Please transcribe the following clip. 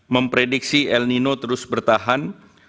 memprediksi el nino terus bertahan